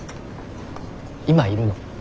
今いるの？